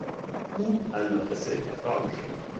او از مدرسه اخراج شد.